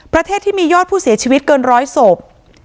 ประเทศที่มียอดผู้เสียชีวิตเกินร้อยศพ